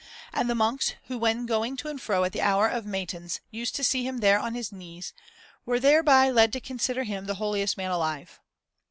And the monks, who when going to and fro at the hour of matins used to see him there on his knees, were thereby led to consider him the holiest man alive.